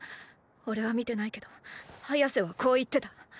おれは見てないけどハヤセはこう言ってた。